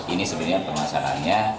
ini sebenarnya permasalahannya